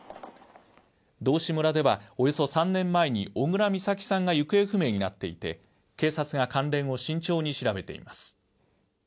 道志村ではおよそ３年前に小倉美咲さんが行方不明になっていて警察が関連を慎重に調べています。